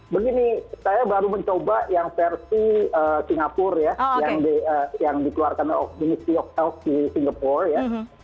begini saya baru mencoba yang versi singapura yang dikeluarkan ministry of health di singapura